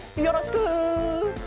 よろしく。